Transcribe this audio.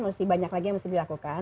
mesti banyak lagi yang mesti dilakukan